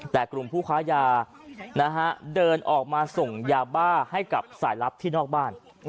แต่กลุ่มผู้ค้ายาเดินออกมาส่งยาบ้าให้กับสายลับที่นอกบ้าน